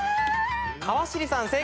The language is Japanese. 川尻さん